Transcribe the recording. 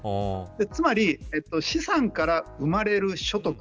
つまり資産から生まれる所得。